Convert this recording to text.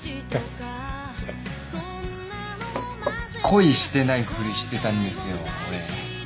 恋してないふりしてたんですよ俺。